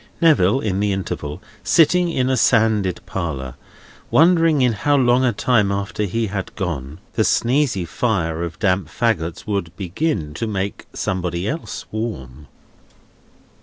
Neville in the interval, sitting in a sanded parlour, wondering in how long a time after he had gone, the sneezy fire of damp fagots would begin to make somebody else warm.